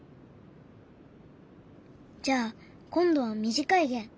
じゃあ今度は短い弦。